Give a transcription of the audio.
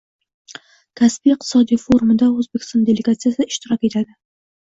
Kaspiy iqtisodiy forumida Oʻzbekiston delegatsiyasi ishtirok etadi